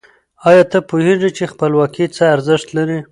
آیا ته پوهېږي چې خپلواکي څه ارزښت لري؟